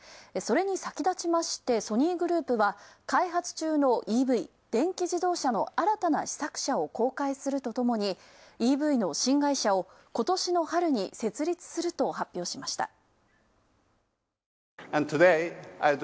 それに先立ちましてソニーグループは開発中のＥＶ＝電気自動車の新たな試作車を公開するとともにＥＶの新会社を今年の春に設立すると発表しました。